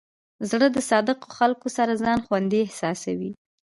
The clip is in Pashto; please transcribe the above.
زړه د صادقو خلکو سره ځان خوندي احساسوي.